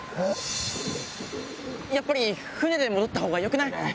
やっぱり船で戻った方がよくない？